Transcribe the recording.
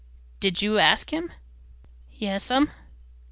"Did you ask him?" "Yes'm."